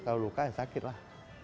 kalau luka ya sakit lah